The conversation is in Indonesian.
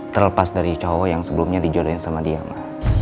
terlepas dari cowok yang sebelumnya dijodohin sama dia ma